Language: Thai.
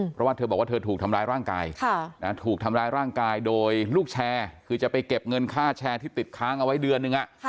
เพราะว่าเธอบอกว่าเธอถูกทำร้ายร่างกายถูกทำร้ายร่างกายโดยลูกแชร์คือจะไปเก็บเงินค่าแชร์ที่ติดค้างเอาไว้เดือนหนึ่ง